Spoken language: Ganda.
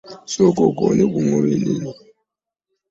Sooka okoone ku ŋŋoma ennene.